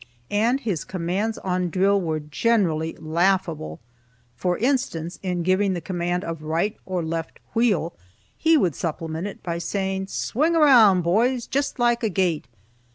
And his commands on drill were generally laughable. For instance, in giving the command of right or left wheel, he would supplement it by saying, "Swing around, boys, just like a gate."